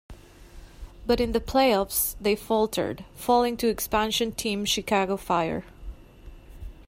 But in the playoffs they faltered, falling to expansion team Chicago Fire.